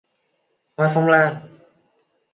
Hoa phong lan